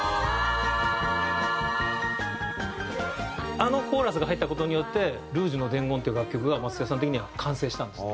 あのコーラスが入った事によって『ルージュの伝言』っていう楽曲が松任谷さん的には完成したんですって。